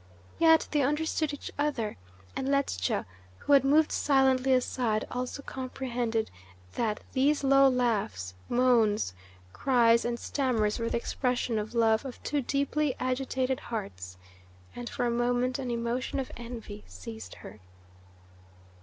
Yet they understood each other, and Ledscha, who had moved silently aside, also comprehended that these low laughs, moans, cries, and stammers were the expressions of love of two deeply agitated hearts, and for a moment an emotion of envy seized her.